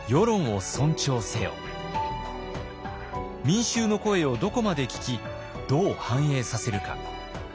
民衆の声をどこまで聞きどう反映させるか。